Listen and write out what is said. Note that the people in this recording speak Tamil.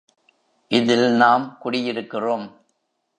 இதில் நாம் குடியிருக்கிறோம்.